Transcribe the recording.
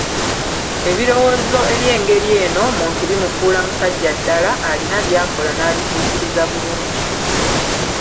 Ebirowoozo eby'engeri eno omuntu bimufuula musajja ddala, alina by'akola n'abituukiriza bulungi.